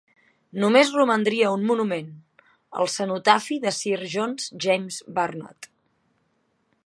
Només romandria un monument: el cenotafi de Sir John James Burnet.